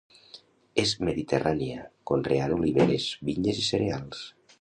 És mediterrània, conreant oliveres, vinyes i cereals.